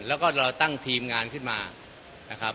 แล้วก็เราตั้งทีมงานขึ้นมา